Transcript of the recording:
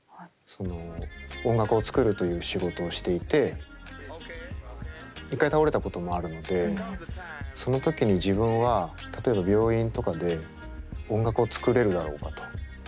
その音楽を作るという仕事をしていて一回倒れたこともあるのでその時に自分は例えば病院とかで音楽を作れるだろうかと。